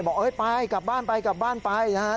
บอกไปกลับบ้านไป